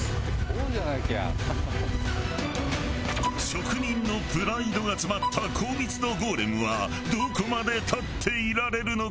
職人のプライドが詰まった高密度ゴーレムはどこまで立っていられるのか！？